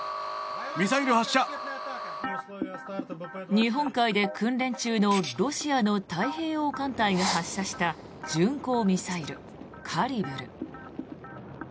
日本海で訓練中のロシアの太平洋艦隊が発射した巡航ミサイル、カリブル。